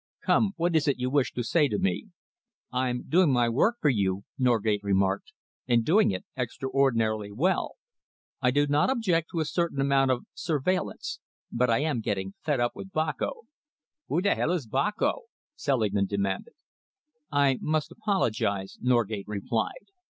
Come, what is it you wish to say to me?" "I am doing my work for you," Norgate remarked, "and doing it extraordinarily well. I do not object to a certain amount of surveillance, but I am getting fed up with Boko." "Who the hell is Boko?" Selingman demanded. "I must apologise," Norgate replied.